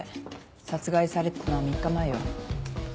殺害されたのは３日前よ。